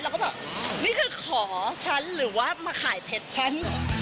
แล้วก็แบบนี่คือขอฉันหรือว่ามาขายเพชรฉันเหรอ